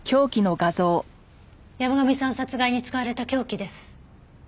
山神さん殺害に使われた凶器です。